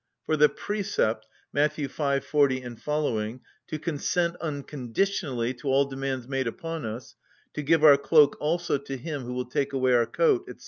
For the precept (Matt. v. 40 seq.) to consent unconditionally to all demands made upon us, to give our cloak also to him who will take away our coat, &c.